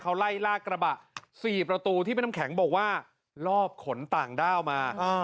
เขาไล่ลากกระบะ๔ประตูที่พี่น้ำแข็งบอกว่าลอบขนต่างด้าวมา